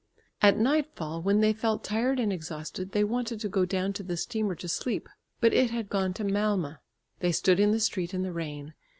At nightfall, when they felt tired and exhausted, they wanted to go down to the steamer to sleep, but it had gone to Malmö. They stood in the street in the rain.